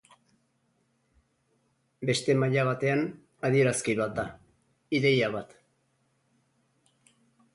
Beste maila batean adierazki bat da, ideia bat.